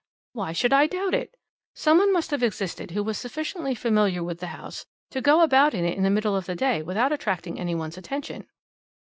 "Why should I doubt it? Some one must have existed who was sufficiently familiar with the house to go about in it in the middle of the day without attracting any one's attention."